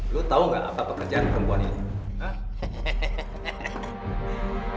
lo tau gak apa pekerjaan perempuan ini